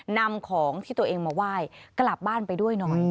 นำของที่ตัวเองมาไหว้กลับบ้านไปด้วยหน่อย